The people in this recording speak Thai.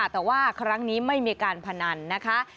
แต่ว่าครั้งนี้ไม่มีการพนันนะคะ